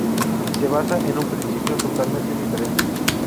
Se basa en un principio totalmente diferente.